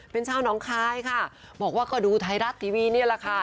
เป็นชาวน้องคายค่ะบอกว่าก็ดูไทยรัฐทีวีนี่แหละค่ะ